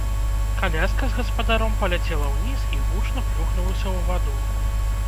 Каляска з гаспадаром паляцела ўніз і гучна плюхнулася ў ваду.